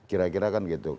kira kira kan gitu